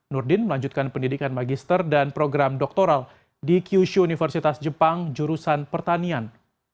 nurdin melanjutkan pendidikan magister dan program doktoral di kyushu universitas jepang jurusan pertanian